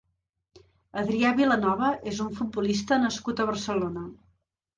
Adrià Vilanova és un futbolista nascut a Barcelona.